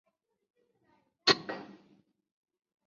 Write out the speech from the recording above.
出生于台南县东石区鹿草乡。